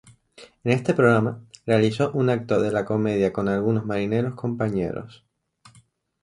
En este programa, realizó un acto de la comedia con algunos marineros compañeros.